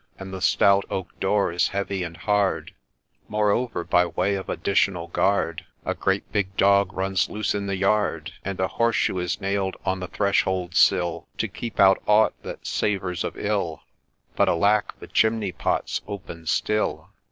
And the stout oak door is heavy and hard ; Moreover, by way of additional guard, A great big dog runs loose in the yard, And a horse shoe is nail'd on the threshold sill, — To keep out aught that savours of ill, — But, alack ! the chimney pot 's open still